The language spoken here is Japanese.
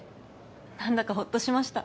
何だかほっとしました。